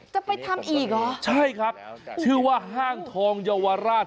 จะไปทำอีกเหรอใช่ครับชื่อว่าห้างทองเยาวราช